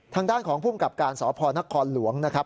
ทางด้านของภูมิกับการสพนครหลวงนะครับ